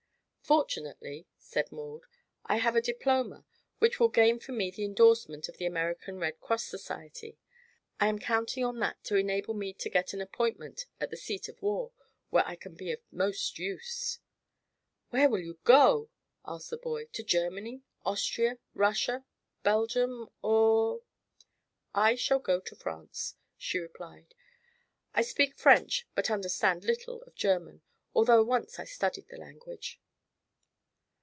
"Fortunately," said Maud, "I have a diploma which will gain for me the endorsement of the American Red Cross Society. I am counting on that to enable me to get an appointment at the seat of war, where I can be of most use." "Where will you go?" asked the boy. "To Germany, Austria, Russia, Belgium, or " "I shall go to France," she replied. "I speak French, but understand little of German, although once I studied the language."